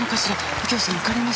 右京さんわかります？